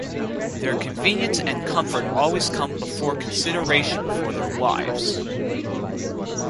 Their convenience and comfort always come before consideration for their wives.